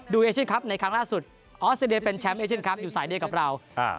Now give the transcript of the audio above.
ดูเอเชนครับในครั้งล่าสุดออสเตอร์เป็นแชมป์เอเชนครับอยู่สายเดียกับเรา